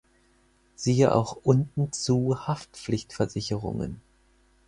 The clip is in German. Siehe auch unten zu Haftpflichtversicherungen.